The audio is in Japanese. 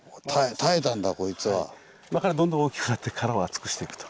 どんどん大きくなって殻を厚くしていくと。